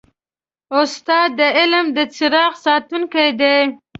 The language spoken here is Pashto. استاد د علم د څراغ ساتونکی دی.